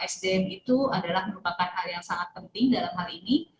sdm itu adalah merupakan hal yang sangat penting dalam hal ini